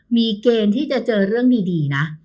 มีเกณฑ์ที่จะเจอเรื่องดีนะ